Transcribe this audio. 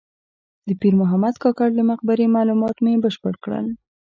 د پیر محمد کاکړ د مقبرې معلومات مې بشپړ کړل.